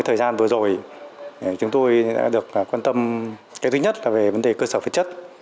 thời gian vừa rồi chúng tôi đã được quan tâm cái thứ nhất là về vấn đề cơ sở vật chất